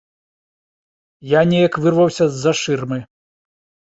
Я неяк вырваўся з-за шырмы.